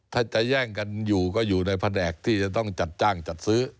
ถ้าจะแย่งกันอยู่ก็อยู่ในแผนกที่จะต้องจัดจ้างจัดซื้อ